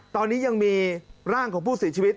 ตอนนี้ยังมีร่างของผู้เสียชีวิต